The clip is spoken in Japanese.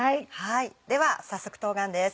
では早速冬瓜です。